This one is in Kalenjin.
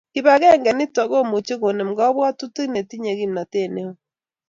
kibagenge nitok komuchi konem kabwatut ne tinye kimnatet neo